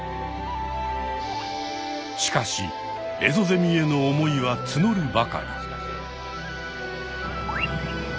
しかしエゾゼミへの思いはつのるばかり。